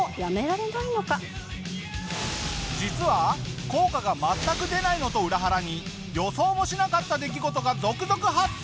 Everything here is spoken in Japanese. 実は効果が全く出ないのと裏腹に予想もしなかった出来事が続々発生！